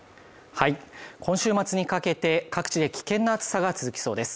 今週末にかけて各地で危険な暑さが続きそうです